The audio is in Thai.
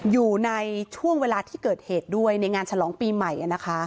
อยู่ในช่วงเวลาที่เกิดเหตุด้วยในงานฉลองปีใหม่